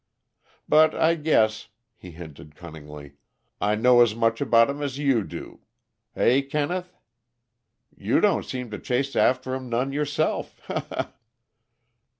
_ But I guess," he hinted cunningly, "I know as much about 'em as you do hey, Kenneth? You don't seem to chase after 'em none, yourself _he he!